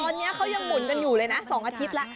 ตอนนี้เขายังหมุนกันอยู่เลยนะ๒อาทิตย์แล้ว